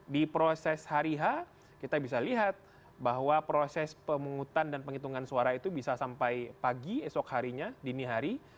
di proses hari h kita bisa lihat bahwa proses pemungutan dan penghitungan suara itu bisa sampai pagi esok harinya dini hari